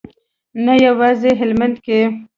نه یوازې هلمند کې.